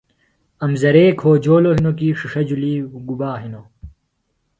امزرے کھوجولوۡ ہنوۡ کیۡ ݜِݜہ جُھلیۡ بہ گُبا ہنوۡ